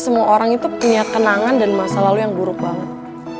semua orang itu punya kenangan dan masa lalu yang buruk banget